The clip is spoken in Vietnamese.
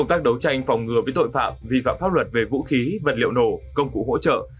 anh phòng ngừa với tội phạm vi phạm pháp luật về vũ khí vật liệu nổ công cụ hỗ trợ